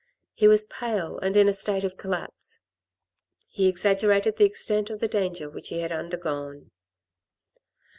He was pale and in a state of collapse. He exaggerated the extent of the danger which he had undergone.